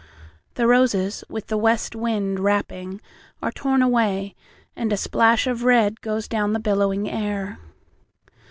The roses with the west wind rappingAre torn away, and a splashOf red goes down the billowing air.